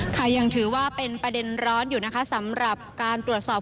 ค่ะยังถือว่าเป็นประเด็นร้อนอยู่นะคะสำหรับการตรวจสอบ